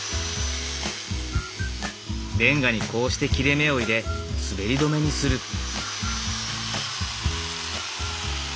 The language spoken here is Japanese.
レンガにこうして切れ目を入れ滑り止めにする。